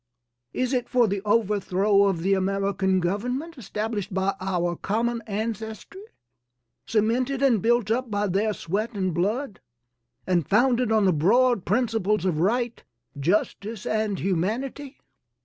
Is it for the overthrow of the American Government, established by our common ancestry, cemented and built up by their sweat and blood, and founded on the broad principles of right, justice and humanity?